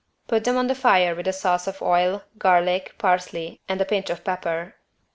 Put them on the fire with a sauce of oil, garlic, parsley and a pinch of pepper.